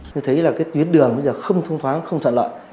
tôi thấy là cái tuyến đường bây giờ không thông thoáng không thuận lợi